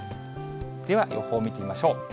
では予報を見てみましょう。